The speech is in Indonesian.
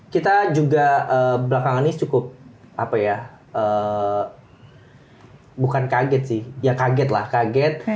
kita juga belakangan ini cukup apa ya bukan kaget sih ya kaget lah kaget